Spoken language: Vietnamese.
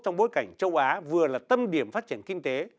trong bối cảnh châu á vừa là tâm điểm phát triển kinh tế